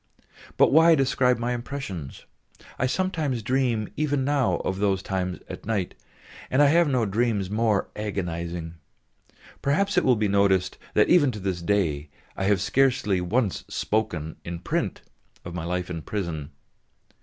But why describe my impressions; I sometimes dream even now of those times at night, and I have no dreams more agonising. Perhaps it will be noticed that even to this day I have scarcely once spoken in print of my life in prison.